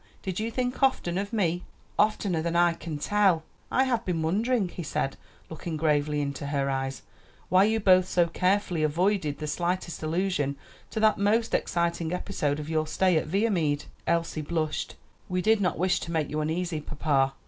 did you think often of me?" "Oftener than I can tell." "I have been wondering," he said, looking gravely into her eyes, "why you both so carefully avoided the slightest allusion to that most exciting episode of your stay at Viamede." Elsie blushed. "We did not wish to make you uneasy, papa."